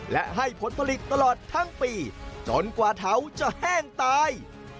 และให้ผลผลิตตลอดทั้งปีจนกว่าเถาจะแห้งตาย